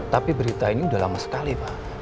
tapi berita ini sudah lama sekali pak